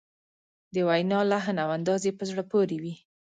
د وینا لحن او انداز یې په زړه پورې وي.